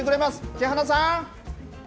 木花さん。